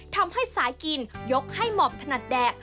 ทำให้สายกินยกให้หมอบถนัดแดก